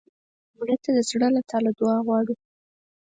مړه ته د زړه له تله بښنه غواړو